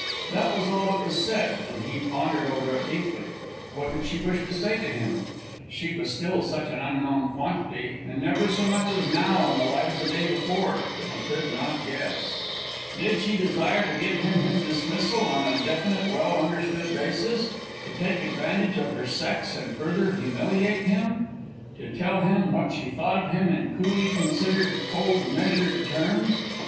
That was all that was said, and he pondered over it deeply. What did she wish to say to him? She was still such an unknown quantity, and never so much as now in the light of the day before, that he could not guess. Did she desire to give him his dismissal on a definite, well understood basis? To take advantage of her sex and further humiliate him? To tell him what she thought of him in coolly considered, cold measured terms?